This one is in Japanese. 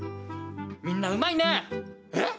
みんなうまいねえっ？